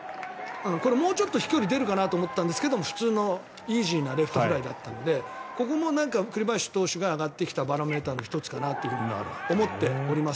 これ、もうちょっと飛距離が出るかなと思ったんですが普通のイージーなレフトフライだったのでここも栗林投手が上がってきたバロメーターの１つかなと思っております。